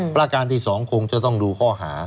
ประการที่๒คงจะต้องดูข้อหา